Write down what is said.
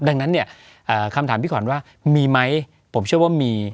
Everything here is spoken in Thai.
ดังนั้นเนี่ยคำถามพี่ขวัญว่ามีไหมผมเชื่อว่ามี